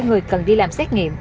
người cần đi làm xét nghiệm